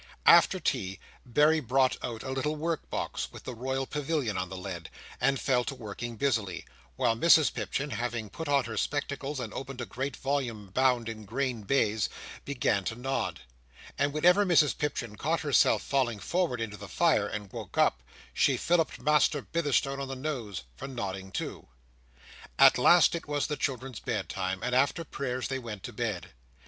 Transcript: After tea, Berry brought out a little work box, with the Royal Pavilion on the lid, and fell to working busily; while Mrs Pipchin, having put on her spectacles and opened a great volume bound in green baize, began to nod. And whenever Mrs Pipchin caught herself falling forward into the fire, and woke up, she filliped Master Bitherstone on the nose for nodding too. At last it was the children's bedtime, and after prayers they went to bed.